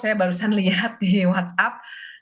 saya barusan lihat di whatsapp